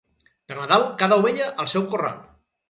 Per Nadal cada ovella al seu corral.